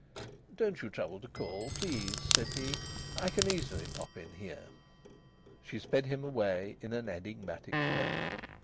"Don't you trouble to call, please," said he. "I can easily pop in here." She sped him away in an enigmatic tone.